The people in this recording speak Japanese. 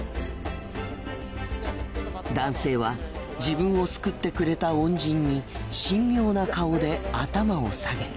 男性は自分を救ってくれた恩人に神妙な顔で頭を下げた。